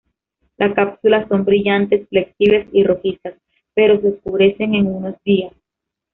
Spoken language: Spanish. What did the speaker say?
Las cápsula son brillantes, flexibles y rojizas, pero se oscurecen en unos días.